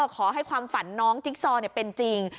ขอให้ความฝันน้องจิ๊กซอเป็นจริง